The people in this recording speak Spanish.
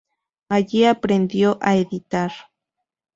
Allí aprendió a editar.